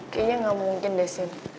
kayaknya gak mungkin deh sin